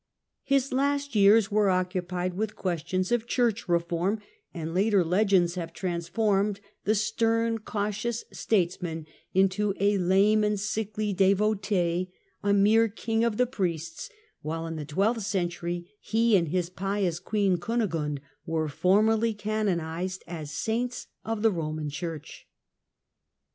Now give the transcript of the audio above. His last years were occupied with questions of Church reform, and later legends have nsformed the stern cautious statesman into a lame d sickly devotee, a mere "king of the priests," while n the twelfth century he and his pious Queen Cunigimde ere formally canonized as saints of the Koman Church.